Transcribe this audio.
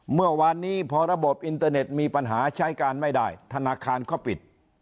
เมื่อวานนี้พอระบบอินเตอร์เน็ตมีปัญหาใช้การไม่ได้ธนาคารก็ปิด